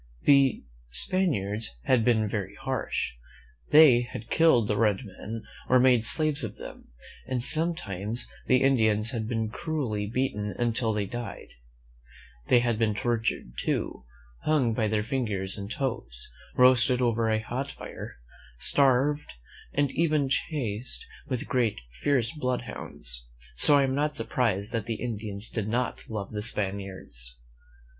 The Spaniards had been very harsh. They had killed the red men or made slaves of '', (0? '.'■',■:■'■'■ v&::irzti^>Mi^si^ THE MEN WHO FOUND AMERICA ^^^ •movAfi /• ^jf them, and sometimes the Indians had been cruelly beaten until they died. They had been tortured, too; hung up by their fingers and toes; roasted over a hot fire; starved, and even chased with great, fierce blood hounds. So I am not sur prised that the Indians did not love the Spaniards.